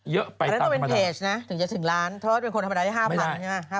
จากกระแสของละครกรุเปสันนิวาสนะฮะ